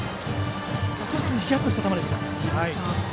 少しヒヤッとした球でした。